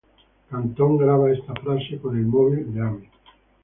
Canton graba esta frase con el móvil de Amy.